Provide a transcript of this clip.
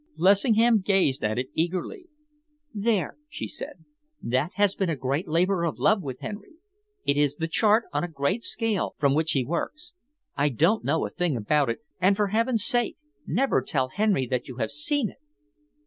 Lessingham gazed at it eagerly. "There!" she said. "That has been a great labour of love with Henry. It is the chart, on a great scale, from which he works. I don't know a thing about it, and for heaven's sake never tell Henry that you have seen it."